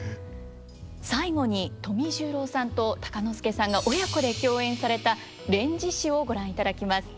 最後に富十郎さんと鷹之資さんが親子で共演された「連獅子」をご覧いただきます。